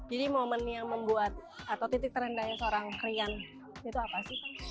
jadi momen yang membuat atau titik terendahnya seorang rian itu apa sih